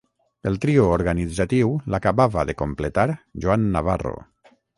El trio organitzatiu l'acabava de completar Joan Navarro.